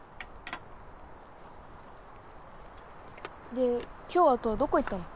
で今日はトアどこ行ったの？